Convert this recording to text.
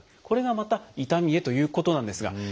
これがまた痛みへということなんですが。